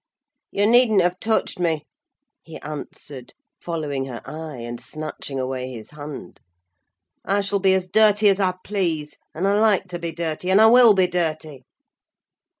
"You needn't have touched me!" he answered, following her eye and snatching away his hand. "I shall be as dirty as I please: and I like to be dirty, and I will be dirty."